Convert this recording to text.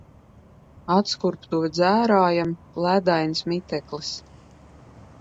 Atskurbtuve dzērājam, ledains miteklis.